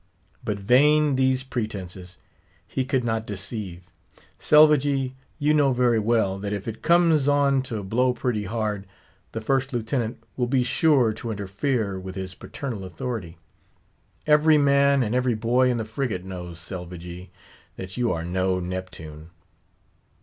But vain these pretences; he could not deceive. Selvagee! you know very well, that if it comes on to blow pretty hard, the First Lieutenant will be sure to interfere with his paternal authority. Every man and every boy in the frigate knows, Selvagee, that you are no Neptune.